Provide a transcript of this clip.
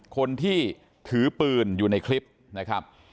คนที่ถือปืนอยู่ในคลิปนะครับ